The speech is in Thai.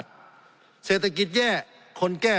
สงบจนจะตายหมดแล้วครับ